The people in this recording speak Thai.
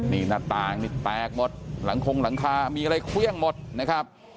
นี่หน้าต่างนี่แตกหมดหลังคงหลังคามีอะไรเครื่องหมดนะครับ